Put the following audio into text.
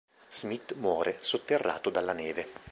Smith muore, sotterrato dalla neve.